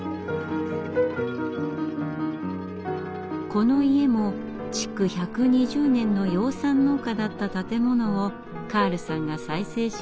この家も築１２０年の養蚕農家だった建物をカールさんが再生しました。